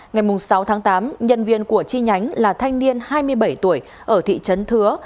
ngày sáu tám nhân viên của chi nhánh là thanh niên hai mươi bảy tuổi ở thị trấn thứa